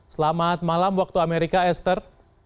selamat malam waktu amerika esther